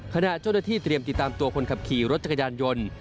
ขณะเจ้าหน้าที่เตรียมติดตามตัวคนขับขี่รถจักรยานยนต์